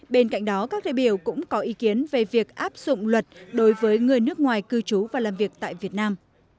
bên cạnh đó các đại biểu cũng có ý kiến về việc áp dụng luật đối với người nước ngoài cư trú và làm việc tại việt nam